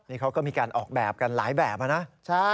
นี่เขาก็มีการออกแบบกันหลายแบบนะ